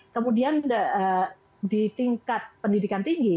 kemudian di tingkat pendidikan tinggi